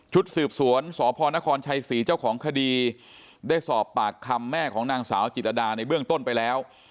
สืบสวนสพนครชัยศรีเจ้าของคดีได้สอบปากคำแม่ของนางสาวจิตรดาในเบื้องต้นไปแล้ว